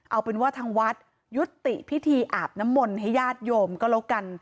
เอาเป็นว่าทางวัดยุติพิธีอาบน้ำมนต์ให้ญาติโยมก็แล้วกัน